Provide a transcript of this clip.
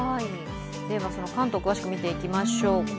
では関東、詳しく見ていきましょうか。